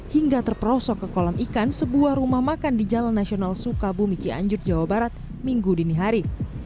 hingga terperosok ke kolam ikan sebuah rumah makan di jalan nasional sukabu miki anjur jawa barat minggu dinihari